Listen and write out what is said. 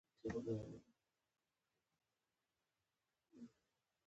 سپوږمۍ د ځمکې پر شاوخوا دایمي حرکت لري